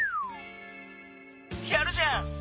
やるじゃん。